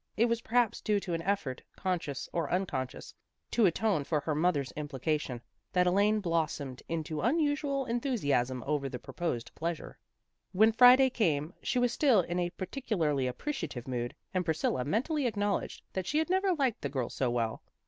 It was perhaps due to an effort, con scious or unconscious, to atone for her mother's implication, that Elaine blossomed into un usual enthusiasm over the proposed pleasure. When Friday came she was still in a particu larly appreciative mood, and Priscilla mentally acknowledged that she had never liked the girl so well.